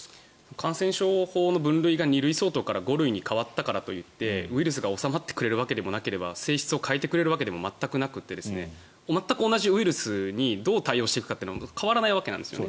感染症法の分類が２類相当から５類に変わるからといってウイルスが収まってくれるわけでも性質が変わってくれるわけでも全くなくて全く同じウイルスにどう対応していくかは変わらないわけですね。